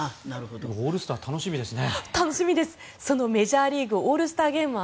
オールスター楽しみですね。